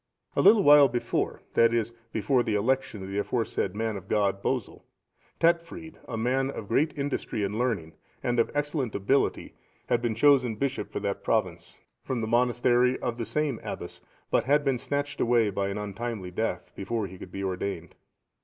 A little while before, that is, before the election of the aforesaid man of God, Bosel, Tatfrid,(703) a man of great industry and learning, and of excellent ability, had been chosen bishop for that province, from the monastery of the same abbess, but had been snatched away by an untimely death, before he could be ordained.